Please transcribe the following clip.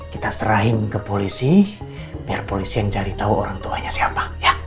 kita serahin ke polisi biar polisi yang cari tahu orang tuanya siapa